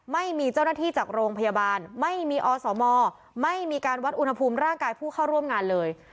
ไม่มีเจ้าหน้าที่จากโรงพยาบาลไม่มีอสมไม่มีการวัดอุณหภูมิร่างกายผู้เข้าร่วมงานเลย